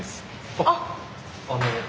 あっ！